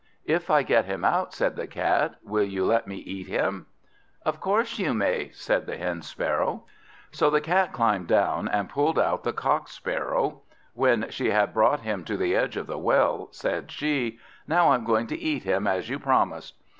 "If I get him out," said the Cat, "will you let me eat him?" "Of course you may," said the Hen sparrow. So the Cat climbed down, and pulled out the Cock sparrow. When she had brought him to the edge of the well, said she, "Now I'm going to eat him as you promised."